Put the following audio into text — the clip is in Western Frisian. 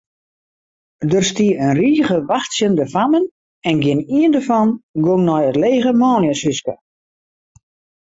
Der stie in rige wachtsjende fammen en gjinien dêrfan gong nei it lege manljushúske.